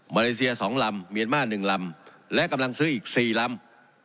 มาเลเซียสองลำเมียนมานหนึ่งลำและกำลังซื้ออีกสี่ลำ